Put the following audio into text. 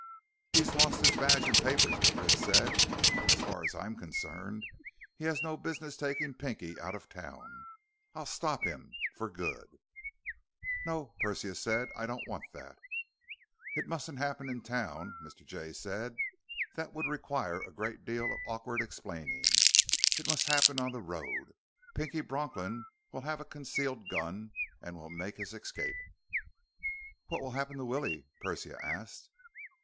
"He's lost his badge and papers," Madrid said. "As far as I'm concerned, he has no business taking Pinky out of town, I'll stop him for good." "No," Persia said. "I don't want that." "It mustn't happen in town," Mr. Jay said. "That would require a great deal of awkward explaining. It must happen on the road. Pinky Bronklin will have a concealed gun and will make his escape." "What will happen to Willie?" Persia asked.